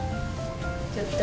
ちょっと。